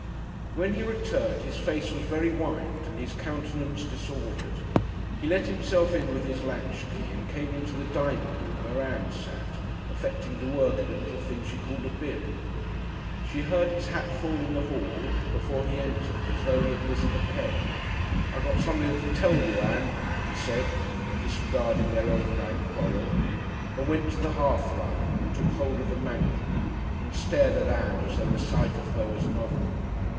When he returned his face was very white and his countenance disordered. He let himself in with his latchkey and came into the dining room where Ann sat, affecting to work at a little thing she called a bib. She heard his hat fall in the hall before he entered, as though he had missed the peg. "I got something to tell you, Ann," he said, disregarding their overnight quarrel, and went to the hearthrug and took hold of the mantel, and stared at Ann as though the sight of her was novel.